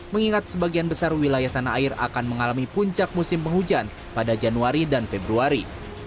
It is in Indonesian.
mengingat sebagian besar wilayah tanah air akan mengalami puncak musim penghujan pada januari dan februari